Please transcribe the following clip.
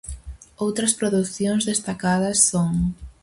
Outras producións destacadas son.